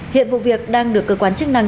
hiện vụ việc đang được cơ quan chức năng